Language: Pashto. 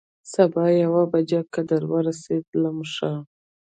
سبا یوه بجه که در ورسېدم، ښه.